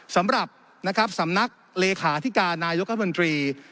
สำหรับสำนักเลขาอธิกานายกข้ารมนตรี